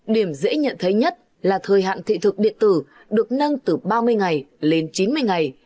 điểm dễ nhận thấy nhất là thời hạn thị thực điện tử được nâng từ ba mươi ngày lên chín mươi ngày